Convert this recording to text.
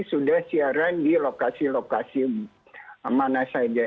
sudah siaran di lokasi lokasi mana saja